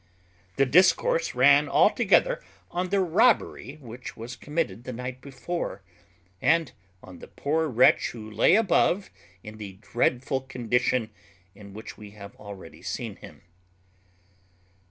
The discourse ran altogether on the robbery which was committed the night before, and on the poor wretch who lay above in the dreadful condition in which we have already seen him.